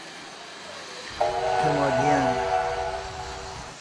متمادیاً